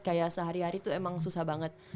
kayak sehari hari tuh emang susah banget